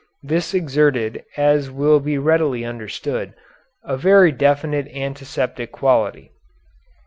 This exerted, as will be readily understood, a very definite antiseptic quality.